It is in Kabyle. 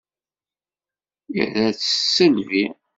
Ira-tt s tisselbi.